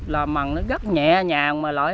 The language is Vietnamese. là mặn nó gắt nhẹ nhàng mà lại